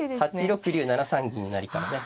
８六竜７三銀成からね